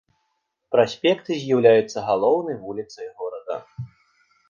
Праспект з'яўляецца галоўнай вуліцай горада.